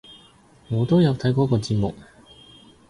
我都有睇嗰個節目！